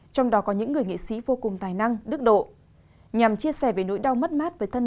trong đó có những người nghệ sĩ vô cùng tài năng đức độ nhằm chia sẻ về nỗi đau mất mát thân